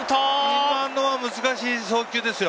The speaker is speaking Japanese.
今のは難しい送球ですよ。